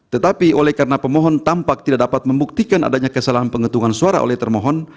tetapi oleh karena pemohon tampak tidak dapat membuktikan adanya kesalahan pengetungan suara oleh termohon